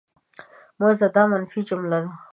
مه ځه! دا منفي جمله ده.